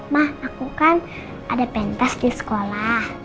mah aku kan ada pentas di sekolah